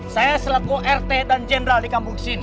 saya selaku rt dan jenderal di kampung sini